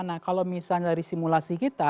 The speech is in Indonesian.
nah kalau misalnya dari simulasi kita